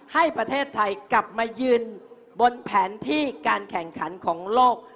ให้ประเทศไทยกลับมายืนบนแผนที่การแข่งขันของโลก